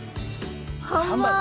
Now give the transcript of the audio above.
ハンバーグ！